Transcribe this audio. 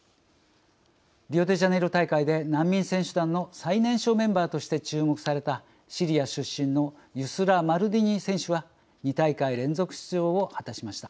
リオデジャネイロ大会で難民選手団の最年少メンバーとして注目されたシリア出身のユスラ・マルディニ選手は２大会連続出場を果たしました。